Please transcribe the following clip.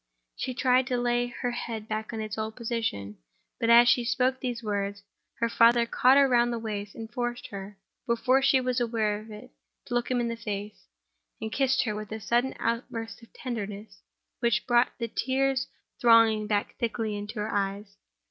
She tried to lay her head back in its old position; but as she spoke those words, her father caught her round the waist, forced her, before she was aware of it, to look him in the face—and kissed her, with a sudden outburst of tenderness which brought the tears thronging back thickly into her eyes.